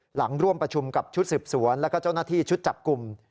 ร่วมประชุมกับชุดสืบสวนแล้วก็เจ้าหน้าที่ชุดจับกลุ่ม